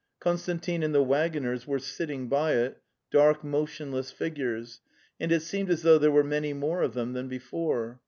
Kon stantin and the waggoners were sitting by it, dark motionless figures, and it seemed as though there were many more of them than before.